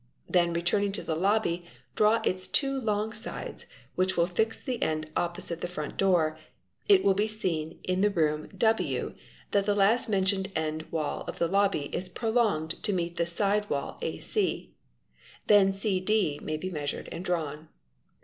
"Then, returning to the lobby draw its two long sides, which will fix the end opposite the front door, it will be seen in room W that the last mentioned end wall of the lobby is prolonged to meet the side wall ac. Then ¢ d may be measured and drawn.